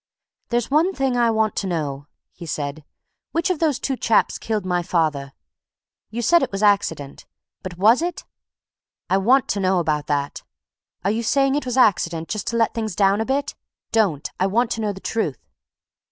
"There's one thing I want to know," he said. "Which of those two chaps killed my father? You said it was accident but was it? I want to know about that! Are you saying it was accident just to let things down a bit? Don't! I want to know the truth."